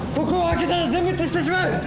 ここを開けたら全滅してしまう！